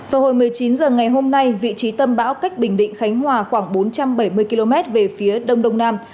vào hồi một mươi chín h ngày hôm nay vị trí tâm bão cách bình định khánh hòa khoảng bốn trăm bảy mươi km về phía đông đông nam